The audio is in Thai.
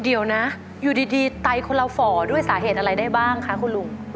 เดี๋ยวนะอยู่ดีไตคนเราฝ่อด้วยสาเหตุอะไรได้บ้างคะคุณลุง